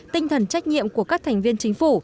tinh thần trách nhiệm của các thành viên chính phủ